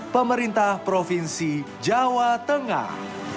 pemerintah provinsi jawa tengah